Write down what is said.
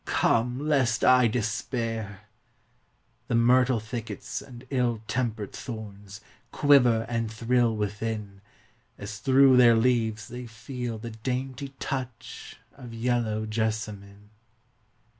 come, lest I despair;”The myrtle thickets and ill tempered thornsQuiver and thrill within, As through their leaves they feel the dainty touchOf yellow jessamine.